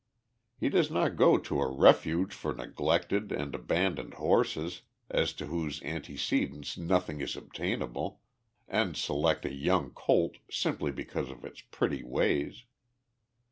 He does not go to a refuge for neglected and abandoned horses as to whose antecedents nothing is obtainable, and select a young colt simply because of its pretty ways.